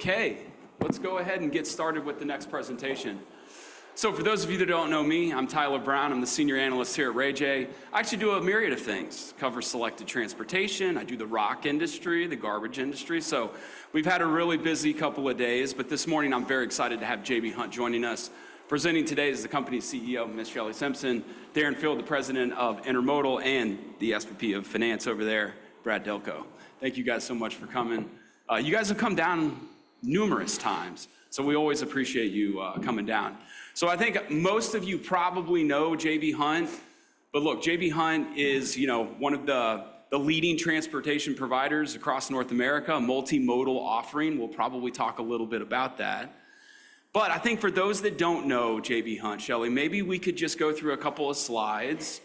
Okay, let's go ahead and get started with the next presentation. For those of you that don't know me, I'm Tyler Brown. I'm the senior analyst here at Ray Jay. I actually do a myriad of things; cover selected transportation, I do the rock industry, the garbage industry. We've had a really busy couple of days, but this morning I'm very excited to have J.B. Hunt joining us, presenting today as the company's CEO, Ms. Shelley Simpson, Darren Field, the President of Intermodal, and the SVP of Finance over there, Brad Delco. Thank you guys so much for coming. You guys have come down numerous times, so we always appreciate you coming down. I think most of you probably know J.B. Hunt, but look, J.B. Hunt is, you know, one of the leading transportation providers across North America, a multimodal offering. We'll probably talk a little bit about that. But I think for those that don't know J.B. Hunt, Shelley, maybe we could just go through a couple of slides,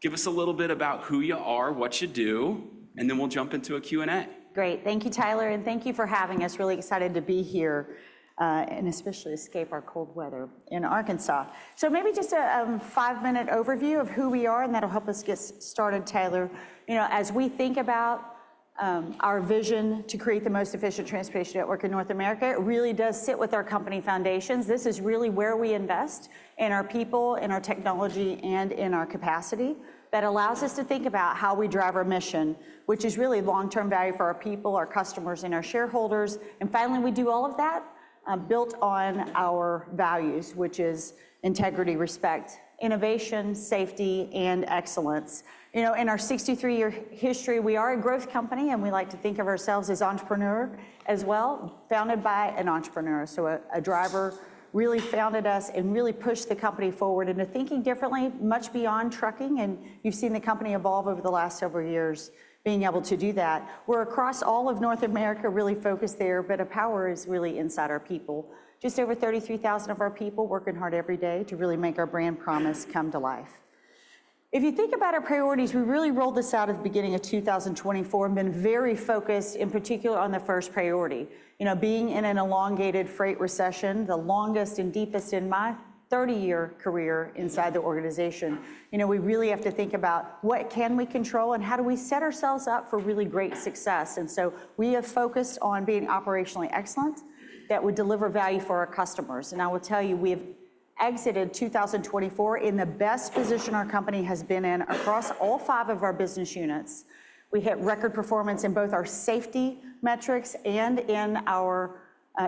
give us a little bit about who you are, what you do, and then we'll jump into a Q&A. Great. Thank you, Tyler, and thank you for having us. Really excited to be here and especially escape our cold weather in Arkansas. So maybe just a five-minute overview of who we are, and that'll help us get started, Tyler. You know, as we think about our vision to create the most efficient transportation network in North America, it really does sit with our company foundations. This is really where we invest in our people, in our technology, and in our capacity that allows us to think about how we drive our mission, which is really long-term value for our people, our customers, and our shareholders, and finally, we do all of that built on our values, which are integrity, respect, innovation, safety, and excellence. You know, in our 63-year history, we are a growth company, and we like to think of ourselves as entrepreneurs as well, founded by an entrepreneur. So a driver really founded us and really pushed the company forward into thinking differently, much beyond trucking. And you've seen the company evolve over the last several years, being able to do that. We're across all of North America, really focused there, but our power is really inside our people. Just over 33,000 of our people working hard every day to really make our brand promise come to life. If you think about our priorities, we really rolled this out at the beginning of 2024 and been very focused in particular on the first priority, you know, being in an elongated freight recession, the longest and deepest in my 30-year career inside the organization. You know, we really have to think about what can we control and how do we set ourselves up for really great success. And so we have focused on being operationally excellent that would deliver value for our customers. And I will tell you, we have exited 2024 in the best position our company has been in across all five of our business units. We hit record performance in both our safety metrics and in our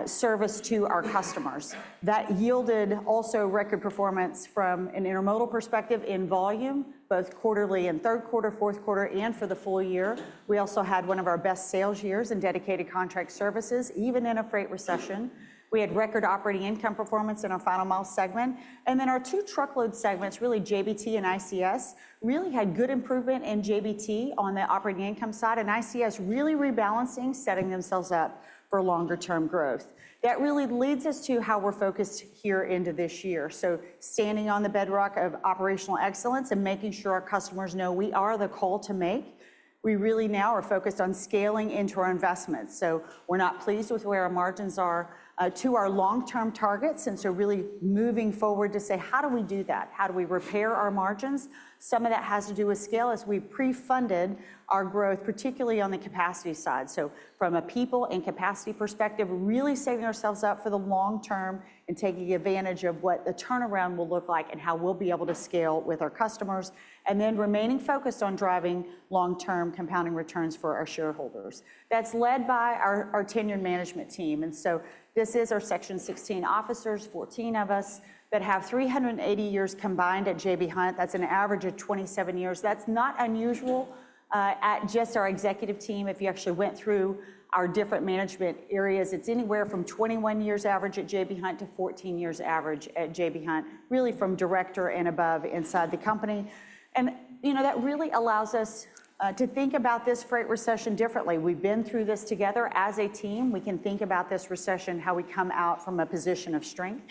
service to our customers. That yielded also record performance from an Intermodal perspective in volume, both quarterly and third quarter, fourth quarter, and for the full year. We also had one of our best sales years in Dedicated Contract Services, even in a freight recession. We had record operating income performance in our Final Mile segment. Our two truckload segments, really JBT and ICS, really had good improvement in JBT on the operating income side, and ICS really rebalancing, setting themselves up for longer-term growth. That really leads us to how we're focused here into this year. Standing on the bedrock of operational excellence and making sure our customers know we are the call to make. We really now are focused on scaling into our investments. We're not pleased with where our margins are to our long-term targets. Really moving forward to say, how do we do that? How do we repair our margins? Some of that has to do with scale as we pre-funded our growth, particularly on the capacity side. From a people and capacity perspective, really saving ourselves up for the long term and taking advantage of what the turnaround will look like and how we'll be able to scale with our customers, and then remaining focused on driving long-term compounding returns for our shareholders. That's led by our tenured management team. This is our Section 16 officers, 14 of us that have 380 years combined at J.B. Hunt. That's an average of 27 years. That's not unusual at just our executive team. If you actually went through our different management areas, it's anywhere from 21 years average at J.B. Hunt to 14 years average at J.B. Hunt, really from director and above inside the company. You know, that really allows us to think about this freight recession differently. We've been through this together as a team. We can think about this recession, how we come out from a position of strength.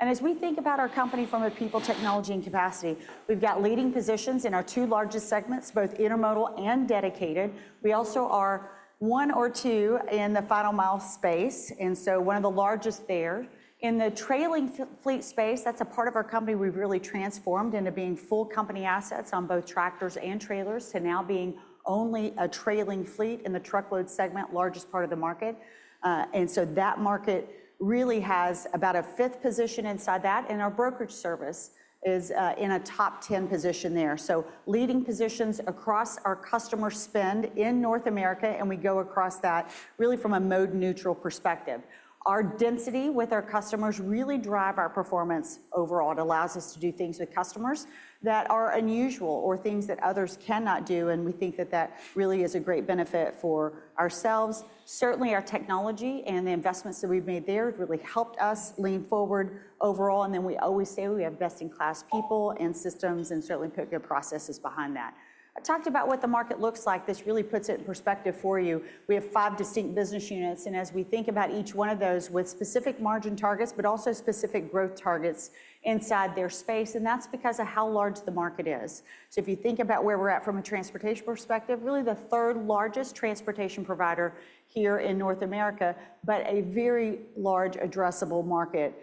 And as we think about our company from a people, technology, and capacity, we've got leading positions in our two largest segments, both Intermodal and Dedicated. We also are one or two in the Final Mile space. And so one of the largest there in the trailing fleet space, that's a part of our company. We've really transformed into being full company assets on both tractors and trailers to now being only a trailing fleet in the truckload segment, largest part of the market. And so that market really has about a fifth position inside that. And our brokerage service is in a top 10 position there. So leading positions across our customer spend in North America. And we go across that really from a mode-neutral perspective. Our density with our customers really drives our performance overall. It allows us to do things with customers that are unusual or things that others cannot do, and we think that that really is a great benefit for ourselves. Certainly, our technology and the investments that we've made there have really helped us lean forward overall, and then we always say we have best-in-class people and systems and certainly put good processes behind that. I talked about what the market looks like. This really puts it in perspective for you. We have five distinct business units, and as we think about each one of those with specific margin targets, but also specific growth targets inside their space, and that's because of how large the market is. So if you think about where we're at from a transportation perspective, really the third largest transportation provider here in North America, but a very large addressable market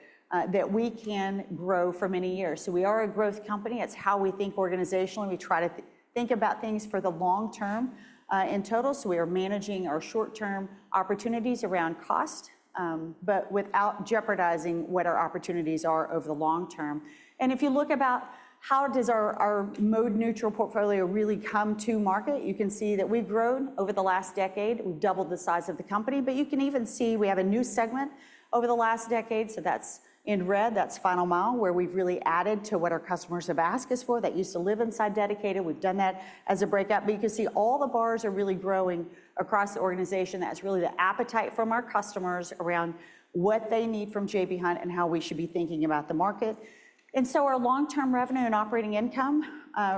that we can grow for many years. So we are a growth company. It's how we think organizationally. We try to think about things for the long term in total. So we are managing our short-term opportunities around cost, but without jeopardizing what our opportunities are over the long term. And if you look about how does our mode-neutral portfolio really come to market, you can see that we've grown over the last decade. We've doubled the size of the company. But you can even see we have a new segment over the last decade. So that's in red. That's Final Mile, where we've really added to what our customers have asked us for that used to live inside Dedicated. We've done that as a breakout, but you can see all the bars are really growing across the organization. That's really the appetite from our customers around what they need from J.B. Hunt and how we should be thinking about the market, and so our long-term revenue and operating income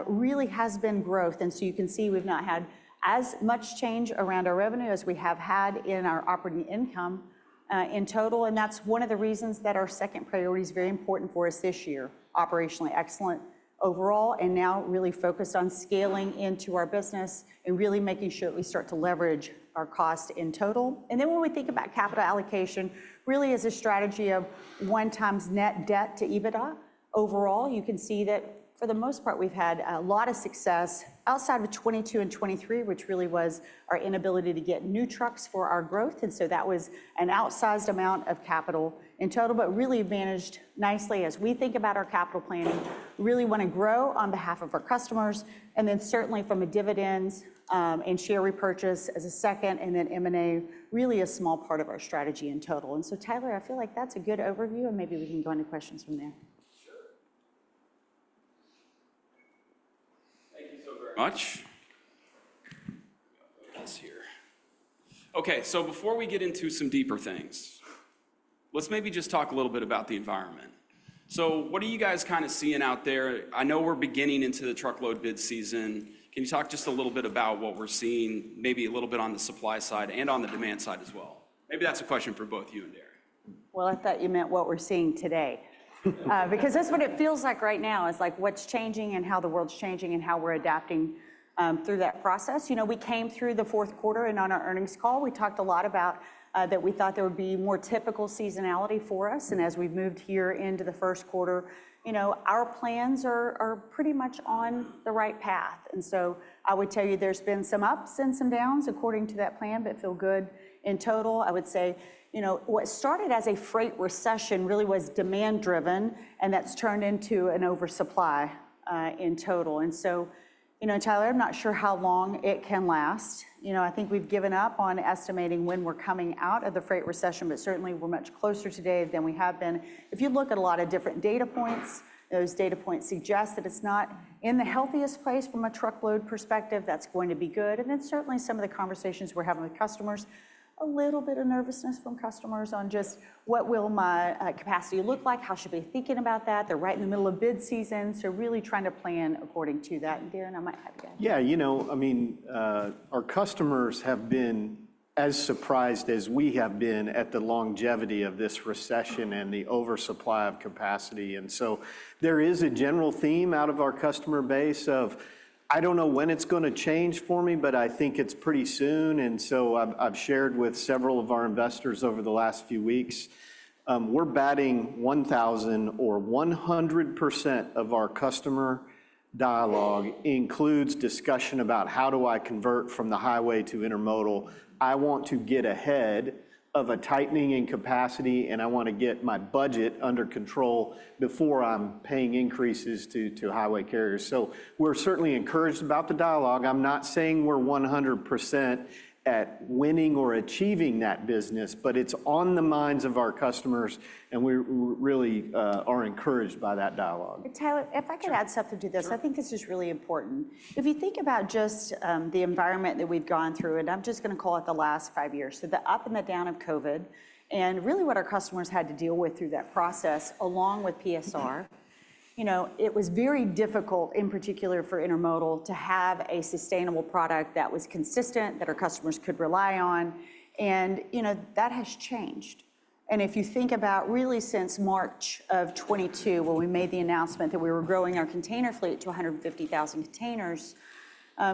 really has been growth, and so you can see we've not had as much change around our revenue as we have had in our operating income in total, and that's one of the reasons that our second priority is very important for us this year, operationally excellent overall, and now really focused on scaling into our business and really making sure that we start to leverage our cost in total. And then when we think about capital allocation, really as a strategy of one times net debt to EBITDA overall, you can see that for the most part, we've had a lot of success outside of 2022 and 2023, which really was our inability to get new trucks for our growth. And so that was an outsized amount of capital in total, but really managed nicely as we think about our capital planning, really want to grow on behalf of our customers. And then certainly from a dividends and share repurchase as a second, and then M&A really a small part of our strategy in total. And so, Tyler, I feel like that's a good overview, and maybe we can go into questions from there. Sure. Thank you so very much. Okay, so before we get into some deeper things, let's maybe just talk a little bit about the environment. So what are you guys kind of seeing out there? I know we're beginning into the truckload bid season. Can you talk just a little bit about what we're seeing, maybe a little bit on the supply side and on the demand side as well? Maybe that's a question for both you and Darren. I thought you meant what we're seeing today, because that's what it feels like right now, is like what's changing and how the world's changing and how we're adapting through that process. You know, we came through the fourth quarter, and on our earnings call, we talked a lot about that we thought there would be more typical seasonality for us. As we've moved here into the first quarter, you know, our plans are pretty much on the right path. I would tell you there's been some ups and some downs according to that plan, but feel good in total. I would say, you know, what started as a freight recession really was demand-driven, and that's turned into an oversupply in total. You know, Tyler, I'm not sure how long it can last. You know, I think we've given up on estimating when we're coming out of the freight recession, but certainly we're much closer today than we have been. If you look at a lot of different data points, those data points suggest that it's not in the healthiest place from a truckload perspective. That's going to be good. And then certainly some of the conversations we're having with customers, a little bit of nervousness from customers on just what will my capacity look like, how should we be thinking about that? They're right in the middle of bid season, so really trying to plan according to that. And Darren, I might have you go. Yeah, you know, I mean, our customers have been as surprised as we have been at the longevity of this recession and the oversupply of capacity. And so there is a general theme out of our customer base of, I don't know when it's going to change for me, but I think it's pretty soon. And so I've shared with several of our investors over the last few weeks, we're batting 1,000 or 100% of our customer dialogue includes discussion about how do I convert from the highway to Intermodal. I want to get ahead of a tightening in capacity, and I want to get my budget under control before I'm paying increases to highway carriers. So we're certainly encouraged about the dialogue. I'm not saying we're 100% at winning or achieving that business, but it's on the minds of our customers, and we really are encouraged by that dialogue. Tyler, if I could add something to this, I think this is really important. If you think about just the environment that we've gone through, and I'm just going to call it the last five years, so the up and the down of COVID and really what our customers had to deal with through that process along with PSR, you know, it was very difficult in particular for Intermodal to have a sustainable product that was consistent, that our customers could rely on. And you know, that has changed. And if you think about really since March of 2022, when we made the announcement that we were growing our container fleet to 150,000 containers,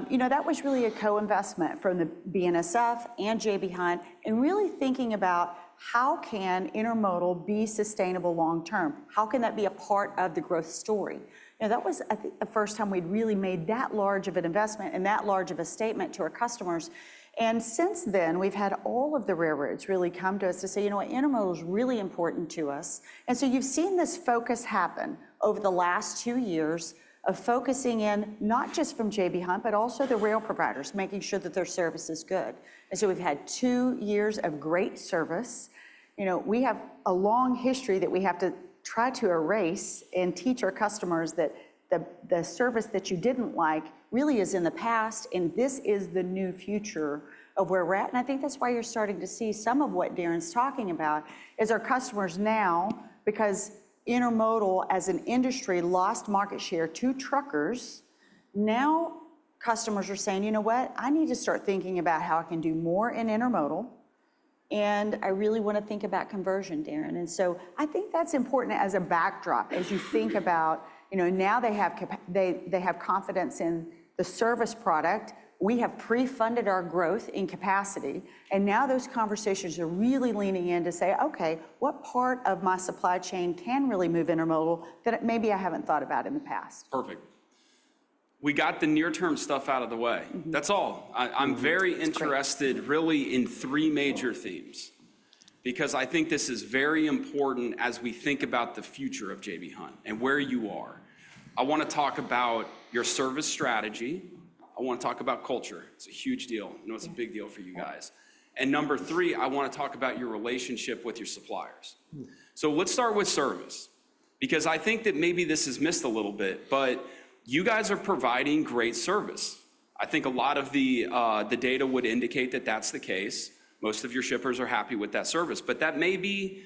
you know, that was really a co-investment from the BNSF and J.B. Hunt and really thinking about how can Intermodal be sustainable long term? How can that be a part of the growth story? You know, that was the first time we'd really made that large of an investment and that large of a statement to our customers. And since then, we've had all of the railroads really come to us to say, you know what, Intermodal is really important to us. And so you've seen this focus happen over the last two years of focusing in not just from J.B. Hunt, but also the rail providers, making sure that their service is good. And so we've had two years of great service. You know, we have a long history that we have to try to erase and teach our customers that the service that you didn't like really is in the past, and this is the new future of where we're at. I think that's why you're starting to see some of what Darren's talking about is our customers now, because Intermodal as an industry lost market share to truckers. Now customers are saying, you know what, I need to start thinking about how I can do more in Intermodal. And I really want to think about conversion, Darren. And so I think that's important as a backdrop as you think about, you know, now they have confidence in the service product. We have pre-funded our growth in capacity. And now those conversations are really leaning in to say, okay, what part of my supply chain can really move Intermodal that maybe I haven't thought about in the past? Perfect. We got the near-term stuff out of the way. That's all. I'm very interested really in three major themes, because I think this is very important as we think about the future of J.B. Hunt and where you are. I want to talk about your service strategy. I want to talk about culture. It's a huge deal. You know, it's a big deal for you guys. And number three, I want to talk about your relationship with your suppliers. So let's start with service, because I think that maybe this is missed a little bit, but you guys are providing great service. I think a lot of the data would indicate that that's the case. Most of your shippers are happy with that service, but that maybe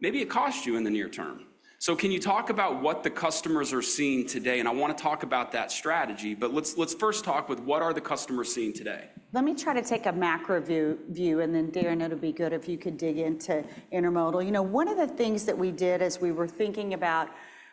it costs you in the near term. So can you talk about what the customers are seeing today? I want to talk about that strategy, but let's first talk with what are the customers seeing today? Let me try to take a macro view, and then Darren, it would be good if you could dig into Intermodal. You know, one of the things that we did as we were thinking about,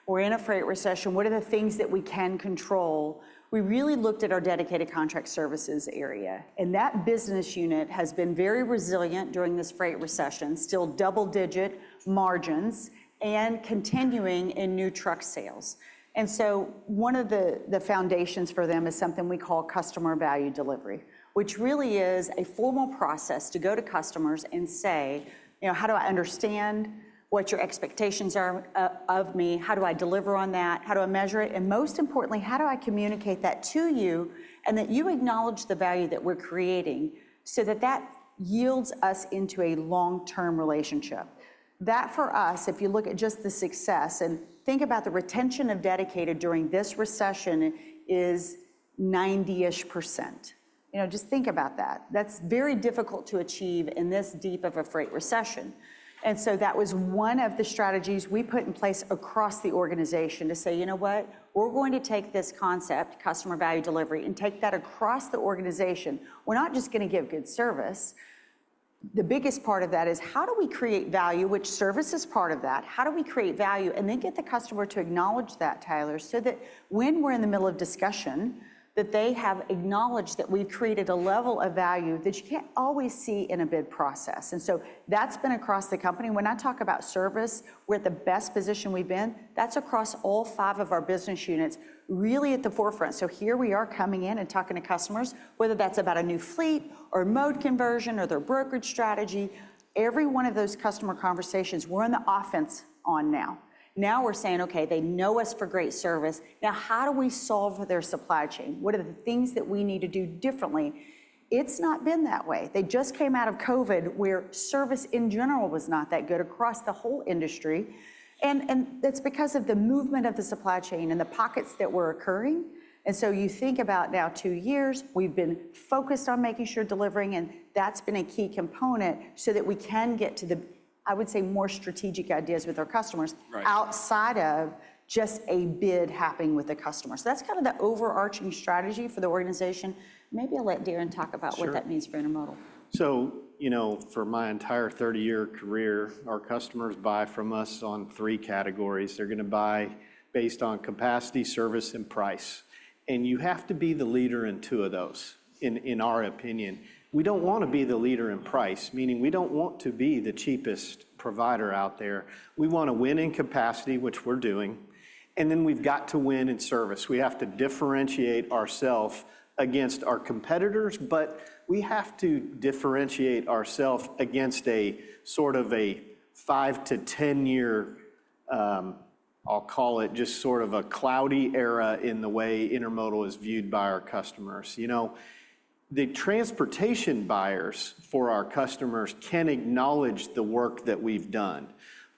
we're in a freight recession, what are the things that we can control? We really looked at our Dedicated Contract Services area, and that business unit has been very resilient during this freight recession, still double-digit margins and continuing in new truck sales. And so one of the foundations for them is something we call Customer Value Delivery, which really is a formal process to go to customers and say, you know, how do I understand what your expectations are of me? How do I deliver on that? How do I measure it? Most importantly, how do I communicate that to you and that you acknowledge the value that we're creating so that that yields us into a long-term relationship? That for us, if you look at just the success and think about the retention of Dedicated during this recession is 90-ish%. You know, just think about that. That's very difficult to achieve in this deep of a freight recession. That was one of the strategies we put in place across the organization to say, you know what, we're going to take this concept, Customer Value Delivery, and take that across the organization. We're not just going to give good service. The biggest part of that is how do we create value, which service is part of that? How do we create value and then get the customer to acknowledge that, Tyler, so that when we're in the middle of discussion, that they have acknowledged that we've created a level of value that you can't always see in a bid process, and so that's been across the company. When I talk about service, we're at the best position we've been. That's across all five of our business units, really at the forefront, so here we are coming in and talking to customers, whether that's about a new fleet or mode conversion or their brokerage strategy. Every one of those customer conversations, we're in the offense on now. Now we're saying, okay, they know us for great service. Now, how do we solve their supply chain? What are the things that we need to do differently? It's not been that way. They just came out of COVID where service in general was not that good across the whole industry, and that's because of the movement of the supply chain and the pockets that were occurring. And so you think about now two years, we've been focused on making sure delivering, and that's been a key component so that we can get to the, I would say, more strategic ideas with our customers outside of just a bid happening with the customers. So that's kind of the overarching strategy for the organization. Maybe I'll let Darren talk about what that means for Intermodal. So, you know, for my entire 30-year career, our customers buy from us on three categories. They're going to buy based on capacity, service, and price. And you have to be the leader in two of those, in our opinion. We don't want to be the leader in price, meaning we don't want to be the cheapest provider out there. We want to win in capacity, which we're doing. And then we've got to win in service. We have to differentiate ourselves against our competitors, but we have to differentiate ourselves against a sort of a five to ten-year, I'll call it just sort of a cloudy era in the way Intermodal is viewed by our customers. You know, the transportation buyers for our customers can acknowledge the work that we've done,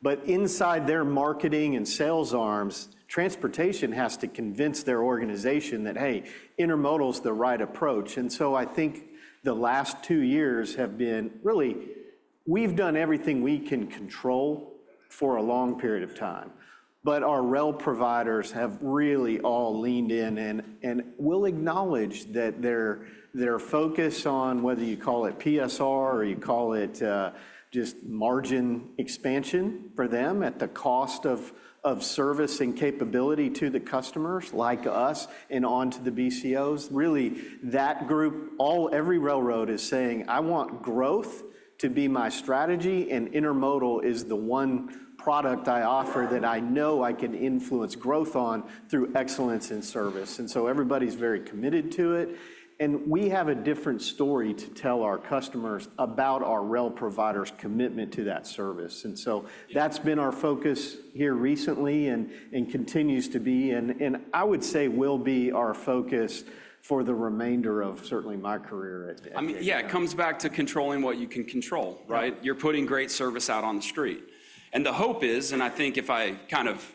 but inside their marketing and sales arms, transportation has to convince their organization that, hey, Intermodal is the right approach. And so I think the last two years have been really, we've done everything we can control for a long period of time, but our rail providers have really all leaned in and will acknowledge that their focus on whether you call it PSR or you call it just margin expansion for them at the cost of service and capability to the customers like us and onto the BCOs, really that group, all every railroad is saying, I want growth to be my strategy, and Intermodal is the one product I offer that I know I can influence growth on through excellence in service. And so everybody's very committed to it. And we have a different story to tell our customers about our rail provider's commitment to that service. And so that's been our focus here recently and continues to be, and I would say will be our focus for the remainder of certainly my career. I mean, yeah, it comes back to controlling what you can control, right? You're putting great service out on the street. And the hope is, and I think if I kind of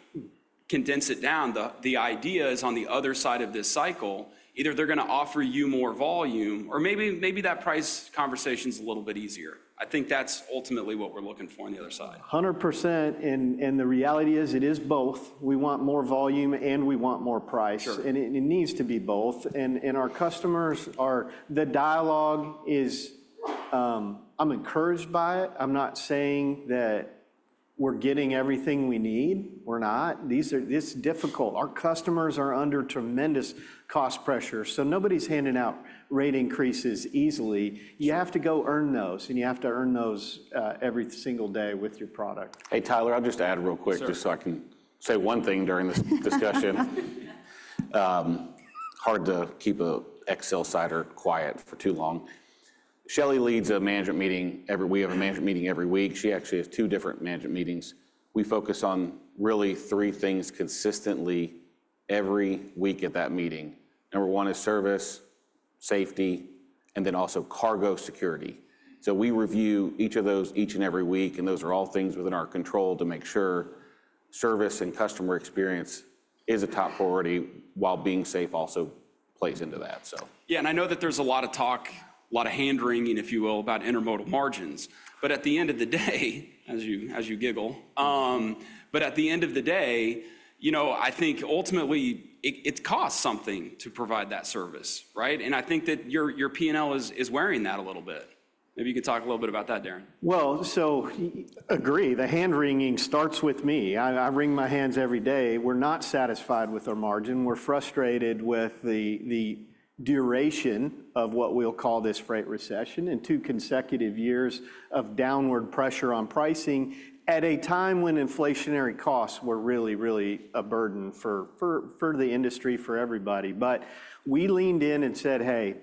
condense it down, the idea is on the other side of this cycle, either they're going to offer you more volume or maybe that price conversation is a little bit easier. I think that's ultimately what we're looking for on the other side. 100%. And the reality is it is both. We want more volume and we want more price. And it needs to be both. And our customers, the dialogue is. I'm encouraged by it. I'm not saying that we're getting everything we need. We're not. This is difficult. Our customers are under tremendous cost pressure. So nobody's handing out rate increases easily. You have to go earn those, and you have to earn those every single day with your product. Hey, Tyler, I'll just add real quick, just so I can say one thing during this discussion. Hard to keep an ex-CEO quiet for too long. Shelley leads a management meeting. We have a management meeting every week. She actually has two different management meetings. We focus on really three things consistently every week at that meeting. Number one is service, safety, and then also cargo security. So we review each of those each and every week, and those are all things within our control to make sure service and customer experience is a top priority while being safe also plays into that. Yeah, and I know that there's a lot of talk, a lot of hand wringing, if you will, about Intermodal margins. But at the end of the day, as you giggle, but at the end of the day, you know, I think ultimately it costs something to provide that service, right? And I think that your P&L is wearing that a little bit. Maybe you could talk a little bit about that, Darren. So, I agree. The hand wringing starts with me. I wring my hands every day. We're not satisfied with our margin. We're frustrated with the duration of what we'll call this freight recession and two consecutive years of downward pressure on pricing at a time when inflationary costs were really, really a burden for the industry, for everybody. But we leaned in and said, hey,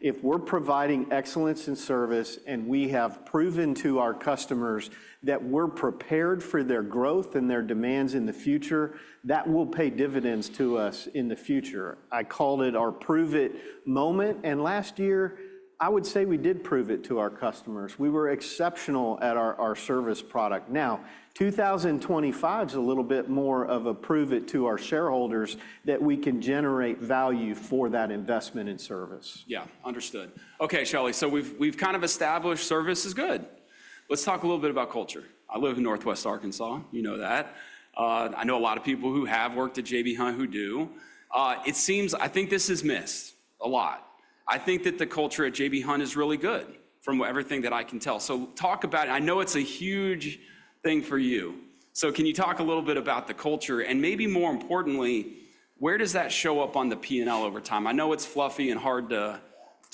if we're providing excellence in service and we have proven to our customers that we're prepared for their growth and their demands in the future, that will pay dividends to us in the future. I called it our prove it moment. And last year, I would say we did prove it to our customers. We were exceptional at our service product. Now, 2025 is a little bit more of a prove it to our shareholders that we can generate value for that investment in service. Yeah, understood. Okay, Shelley, so we've kind of established service is good. Let's talk a little bit about culture. I live in Northwest Arkansas, you know that. I know a lot of people who have worked at J.B. Hunt who do. It seems, I think this is missed a lot. I think that the culture at J.B. Hunt is really good from everything that I can tell. So talk about it. I know it's a huge thing for you. So can you talk a little bit about the culture? And maybe more importantly, where does that show up on the P&L over time? I know it's fluffy and hard to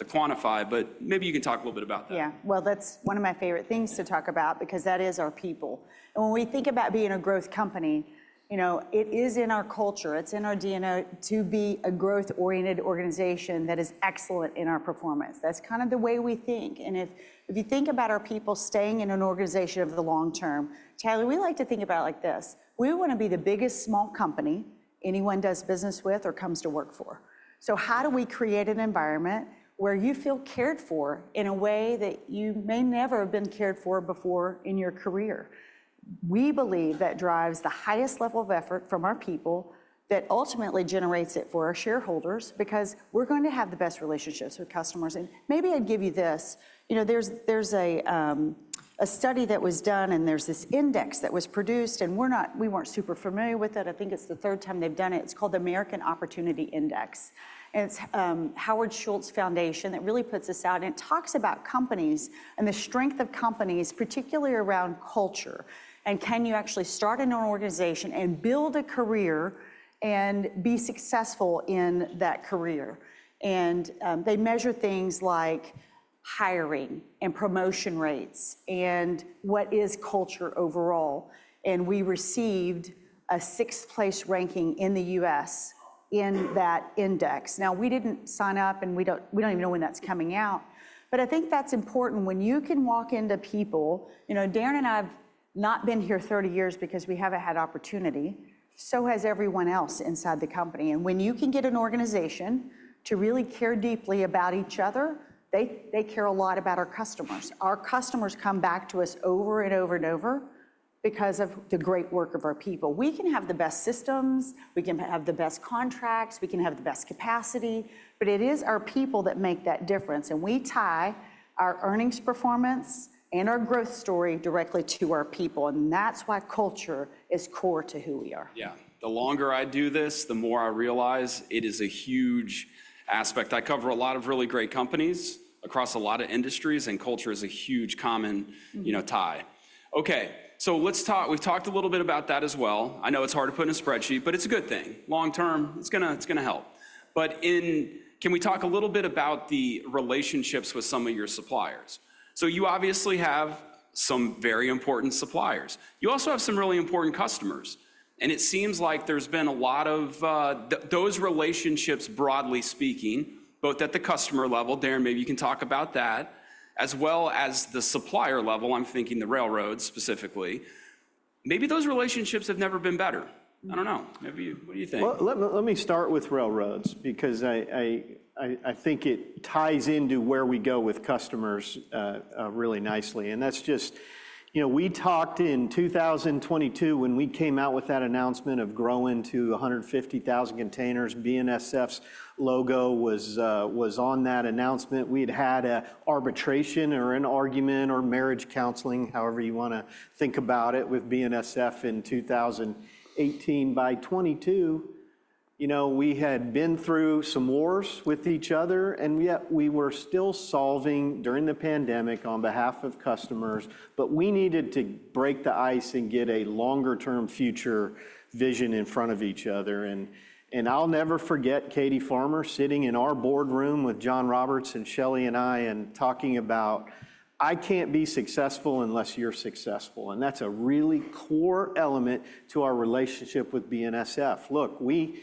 quantify, but maybe you can talk a little bit about that. Yeah, well, that's one of my favorite things to talk about because that is our people. And when we think about being a growth company, you know, it is in our culture. It's in our DNA to be a growth-oriented organization that is excellent in our performance. That's kind of the way we think. And if you think about our people staying in an organization over the long term, Tyler, we like to think about it like this. We want to be the biggest small company anyone does business with or comes to work for. So how do we create an environment where you feel cared for in a way that you may never have been cared for before in your career? We believe that drives the highest level of effort from our people that ultimately generates it for our shareholders because we're going to have the best relationships with customers. And maybe I'd give you this. You know, there's a study that was done and there's this index that was produced and we weren't super familiar with it. I think it's the third time they've done it. It's called the American Opportunity Index. And it's Schultz Family Foundation that really puts this out. And it talks about companies and the strength of companies, particularly around culture. And can you actually start an organization and build a career and be successful in that career? And they measure things like hiring and promotion rates and what is culture overall. And we received a sixth place ranking in the U.S. in that index. Now, we didn't sign up and we don't even know when that's coming out. But I think that's important when you can walk into people. You know, Darren and I have not been here 30 years because we haven't had opportunity. So has everyone else inside the company. And when you can get an organization to really care deeply about each other, they care a lot about our customers. Our customers come back to us over and over and over because of the great work of our people. We can have the best systems. We can have the best contracts. We can have the best capacity. But it is our people that make that difference. And we tie our earnings performance and our growth story directly to our people. And that's why culture is core to who we are. Yeah. The longer I do this, the more I realize it is a huge aspect. I cover a lot of really great companies across a lot of industries and culture is a huge common, you know, tie. Okay, so let's talk. We've talked a little bit about that as well. I know it's hard to put in a spreadsheet, but it's a good thing. Long term, it's going to help. But can we talk a little bit about the relationships with some of your suppliers? So you obviously have some very important suppliers. You also have some really important customers. And it seems like there's been a lot of those relationships, broadly speaking, both at the customer level, Darren, maybe you can talk about that, as well as the supplier level. I'm thinking the railroads specifically. Maybe those relationships have never been better. I don't know, maybe you, what do you think? Well, let me start with railroads because I think it ties into where we go with customers really nicely. And that's just, you know, we talked in 2022 when we came out with that announcement of growing to 150,000 containers. BNSF's logo was on that announcement. We had had an arbitration or an argument or marriage counseling, however you want to think about it, with BNSF in 2018. By 2022, you know, we had been through some wars with each other, and yet we were still solving during the pandemic on behalf of customers. But we needed to break the ice and get a longer-term future vision in front of each other. And I'll never forget Katie Farmer sitting in our boardroom with John Roberts and Shelley and I and talking about, "I can't be successful unless you're successful." And that's a really core element to our relationship with BNSF. Look, we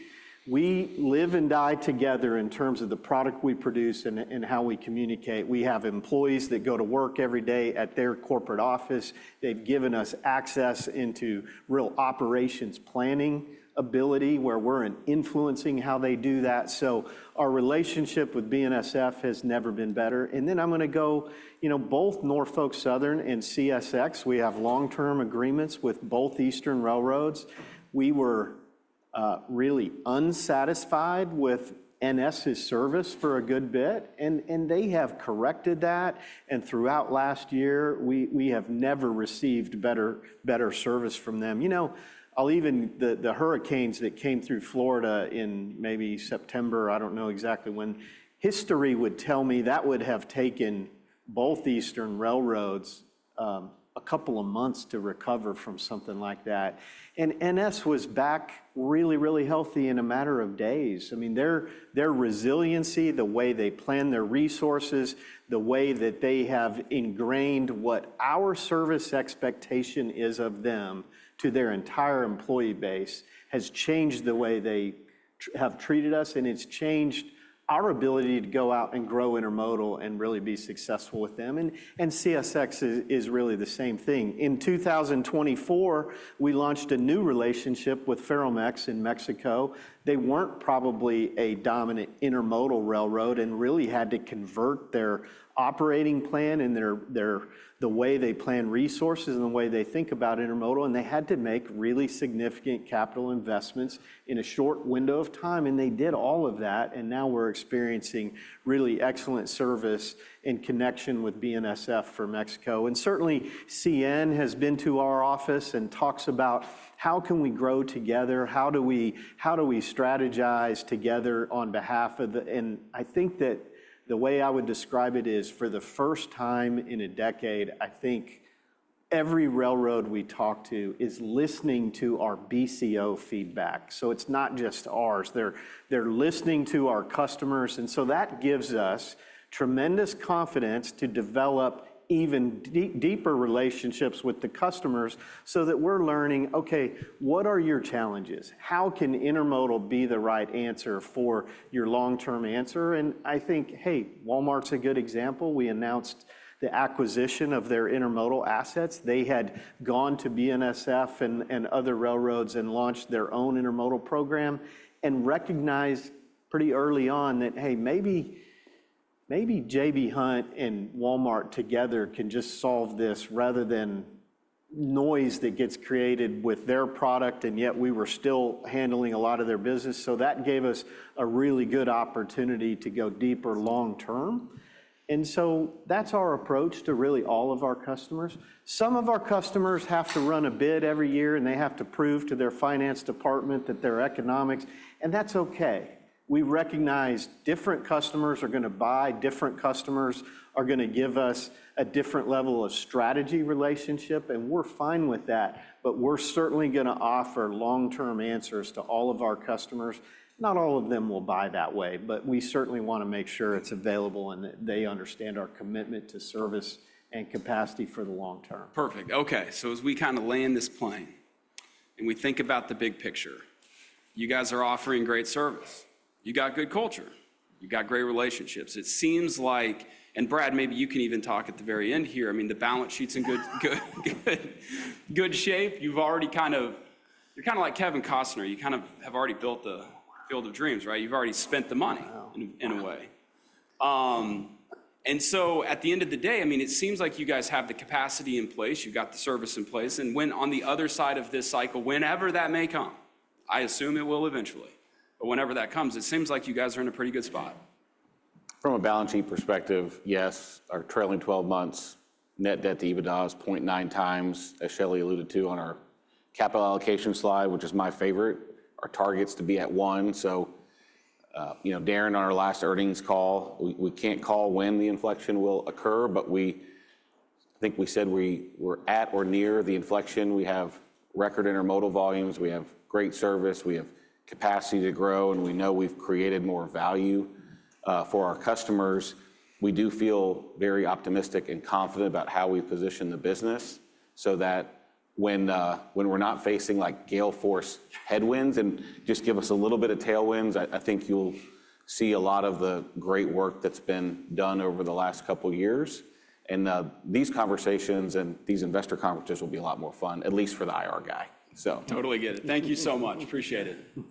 live and die together in terms of the product we produce and how we communicate. We have employees that go to work every day at their corporate office. They've given us access into real operations planning ability where we're influencing how they do that. So our relationship with BNSF has never been better. And then I'm going to go, you know, both Norfolk Southern and CSX, we have long-term agreements with both Eastern Railroads. We were really unsatisfied with NS's service for a good bit, and they have corrected that. And throughout last year, we have never received better service from them. You know, even the hurricanes that came through Florida in maybe September, I don't know exactly when, history would tell me that would have taken both Eastern Railroads a couple of months to recover from something like that. NS was back really, really healthy in a matter of days. I mean, their resiliency, the way they plan their resources, the way that they have ingrained what our service expectation is of them to their entire employee base has changed the way they have treated us. It's changed our ability to go out and grow Intermodal and really be successful with them. CSX is really the same thing. In 2024, we launched a new relationship with Ferromex in Mexico. They weren't probably a dominant Intermodal railroad and really had to convert their operating plan and the way they plan resources and the way they think about Intermodal. They had to make really significant capital investments in a short window of time. They did all of that. Now we're experiencing really excellent service and connection with BNSF for Mexico. And certainly, CN has been to our office and talks about how can we grow together? How do we strategize together on behalf of the... And I think that the way I would describe it is for the first time in a decade, I think every railroad we talk to is listening to our BCO feedback. So it's not just ours. They're listening to our customers. And so that gives us tremendous confidence to develop even deeper relationships with the customers so that we're learning, okay, what are your challenges? How can Intermodal be the right answer for your long-term answer? And I think, hey, Walmart's a good example. We announced the acquisition of their Intermodal assets. They had gone to BNSF and other railroads and launched their own Intermodal program and recognized pretty early on that, hey, maybe J.B. Hunt and Walmart together can just solve this rather than noise that gets created with their product, and yet we were still handling a lot of their business, so that gave us a really good opportunity to go deeper long-term, and so that's our approach to really all of our customers. Some of our customers have to run a bid every year, and they have to prove to their finance department that their economics... and that's okay. We recognize different customers are going to buy. Different customers are going to give us a different level of strategy relationship, and we're fine with that, but we're certainly going to offer long-term answers to all of our customers. Not all of them will buy that way, but we certainly want to make sure it's available and that they understand our commitment to service and capacity for the long term. Perfect. Okay. So as we kind of land this plane and we think about the big picture, you guys are offering great service. You got good culture. You got great relationships. It seems like, and Brad, maybe you can even talk at the very end here. I mean, the balance sheet's in good shape. You've already kind of, you're kind of like Kevin Costner. You kind of have already built the Field of Dreams, right? You've already spent the money in a way. And so at the end of the day, I mean, it seems like you guys have the capacity in place. You've got the service in place. And when on the other side of this cycle, whenever that may come, I assume it will eventually. But whenever that comes, it seems like you guys are in a pretty good spot. From a balance sheet perspective, yes, our trailing 12 months net debt to EBITDA is 0.9 times, as Shelley alluded to on our capital allocation slide, which is my favorite. Our target's to be at one. So, you know, Darren, on our last earnings call, we can't call when the inflection will occur, but I think we said we were at or near the inflection. We have record Intermodal volumes. We have great service. We have capacity to grow. And we know we've created more value for our customers. We do feel very optimistic and confident about how we've positioned the business so that when we're not facing like gale force headwinds and just give us a little bit of tailwinds, I think you'll see a lot of the great work that's been done over the last couple of years. These conversations and these investor conferences will be a lot more fun, at least for the IR guy. Totally get it. Thank you so much. Appreciate it.